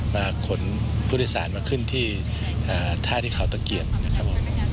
ผลพุทธศาสตร์มาขึ้นที่ถ้าที่เขาตะเกียจ